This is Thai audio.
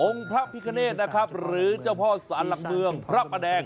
พระพิคเนธนะครับหรือเจ้าพ่อสารหลักเมืองพระประแดง